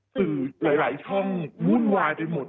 สื่อหลายช่องวุ่นวายไปหมด